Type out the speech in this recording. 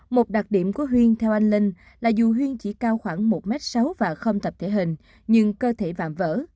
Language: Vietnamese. một đặc điểm của huyên theo anh linh là dù huyên chỉ cao khoảng một m sáu và không tập thể hình nhưng cơ thể vạm vỡ